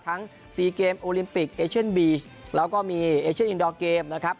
๔เกมโอลิมปิกเอเชียนบีชแล้วก็มีเอเชียนอินดอร์เกมนะครับ